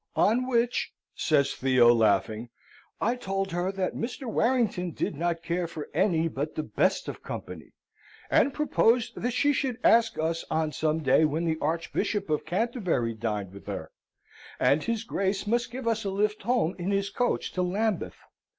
On which," says Theo, laughing, "I told her that Mr. Warrington did not care for any but the best of company, and proposed that she should ask us on some day when the Archbishop of Canterbury dined with her, and his Grace must give us a lift home in his coach to Lambeth.